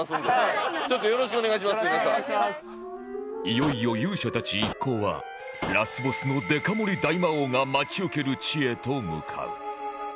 いよいよ勇者たち一行はラスボスのデカ盛り大魔王が待ち受ける地へと向かう